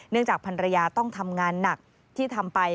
เนื่องจากพันธุระยาต้องทำงานหนักที่ทำไป